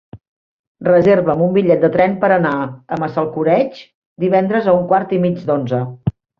Reserva'm un bitllet de tren per anar a Massalcoreig divendres a un quart i mig d'onze.